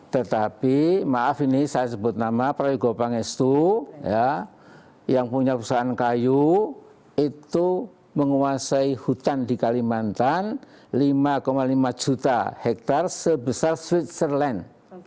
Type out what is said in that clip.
tetapi maaf ini saya sebut nama proyek gopangestu yang punya perusahaan kayu itu menguasai hutan di kalimantan lima lima juta hektare sebesar switcher len